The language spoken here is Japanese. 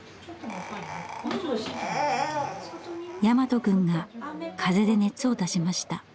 大和くんが風邪で熱を出しました。